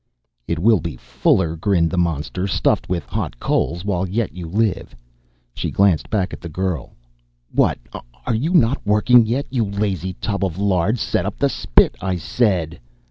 "It will be fuller," grinned the monster. "Stuffed with hot coals while yet you live." She glanced back at the girl. "What, are you not working yet, you lazy tub of lard? Set up the spit, I said!"